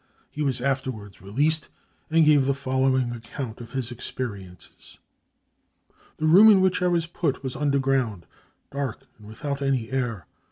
He was afterwards released, and gave the following account of his experiences :" The room in which I was put was underground, dar k and without any air.